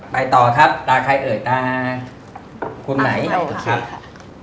ไปต่อครับตาใครเอ๋ยตาคุณไหม